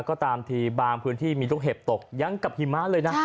ก็ตามทีบางพื้นที่มีลูกเห็บตกยังกับหิมะเลยนะ